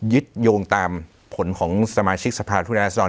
ยึดโยงตามผลของสมาชิกสภาพคุณานาสนับสมัคร